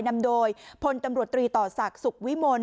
นำโดยพลตำรวจตรีต่อศักดิ์สุขวิมล